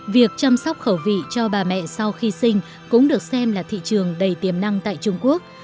việc chăm sóc khẩu vị cho bà mẹ sau khi sinh cũng được xem là thị trường đầy tiềm năng tại trung quốc